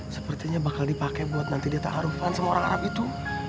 sepertinya bakal dipake buat nanti dia tak haruan sama orang arab itu